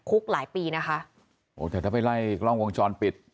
หลายปีนะคะโอ้แต่ถ้าไปไล่กล้องวงจรปิด